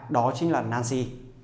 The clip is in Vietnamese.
đó chính là nancy